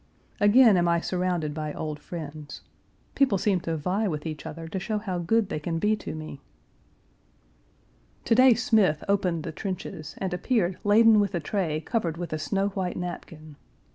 Again am I surrounded by old friends. People seem to vie with each other to show how good they can be to me. To day Smith opened the trenches and appeared laden Page 370 with a tray covered with a snow white napkin.